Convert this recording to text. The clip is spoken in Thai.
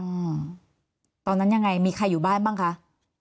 อืมตอนนั้นยังไงมีใครอยู่บ้านบ้างคะ